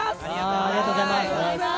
ありがとうございます。